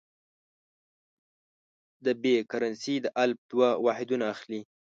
د ب کرنسي د الف دوه واحدونه اخلي.